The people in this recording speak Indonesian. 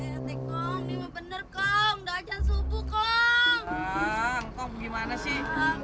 eh tiktok nih mah bener kong udah ajan subuh kong